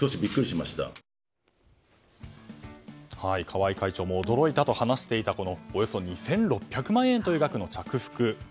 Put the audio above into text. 川合会長も驚いたと話していたおよそ２６００万円という額の着服。